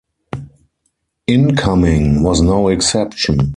"Incoming" was no exception.